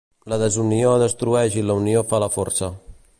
La desunió destrueix i la unió fa la força.